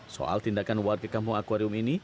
soal tindakan warga kampung akwarium ini